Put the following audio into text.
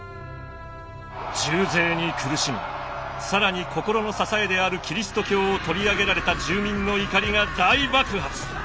重税に苦しみ更に心の支えであるキリスト教を取り上げられた住民の怒りが大爆発。